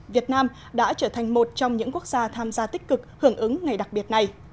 việt nam đã trở thành một trong những quốc gia tham gia tích cực hưởng ứng ngày đặc biệt này